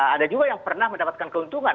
ada juga yang pernah mendapatkan keuntungan